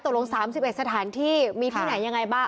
ตกลง๓๑สถานที่มีที่ไหนยังไงบ้าง